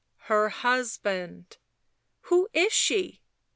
" Her husband." " Who is she